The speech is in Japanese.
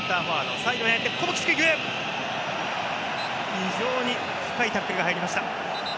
非常に深いタックルが入りました。